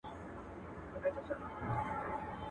چي طوطي ګنجي ته وکتل ګویا سو.